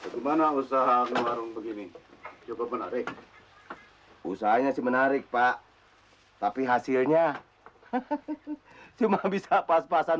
gimana usaha kemarin begini cukup menarik usahanya sih menarik pak tapi hasilnya cuma bisa pas pasan